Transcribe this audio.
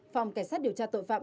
phòng cảnh sát điều tra tội phạm